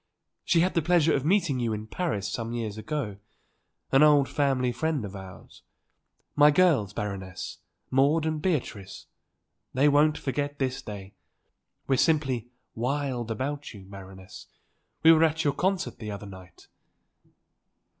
She had the pleasure of meeting you in Paris some years ago. An old family friend of ours. My girls, Baroness; Maude and Beatrice. They won't forget this day. We're simply wild about you, Baroness. We were at your concert the other night."